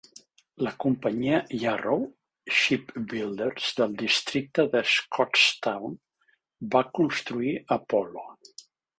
La companyia Yarrow Shipbuilders del districte de Scotstoun va construir "Apollo".